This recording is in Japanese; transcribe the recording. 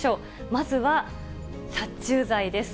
まずは殺虫剤です。